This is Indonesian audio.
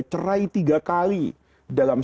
cerai tiga kali dalam